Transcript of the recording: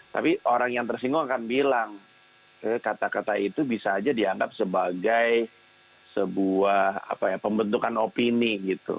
tapi orang yang tersinggung akan bilang kata kata itu bisa aja dianggap sebagai sebuah pembentukan opini gitu